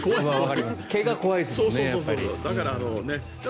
怪我、怖いですもんね。